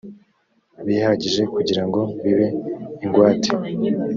bihagije kugira ngo bibe ingwate